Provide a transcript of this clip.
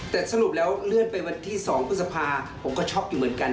แต่สรุปแล้วเลื่อนไปวันที่๒พฤษภาผมก็ช็อกอยู่เหมือนกัน